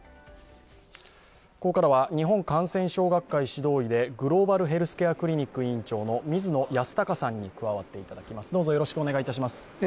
ここからは日本感染症学会指導士でグローバルヘルスケアクリニック院長の水野泰孝さんに加わっていただきます。